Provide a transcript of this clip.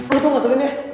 untung mas alin ya